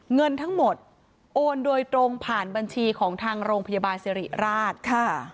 เงินทั้งหมดโอนโดยตรงผ่านบัญชีของทางโรงพยาบาลสิริราชค่ะ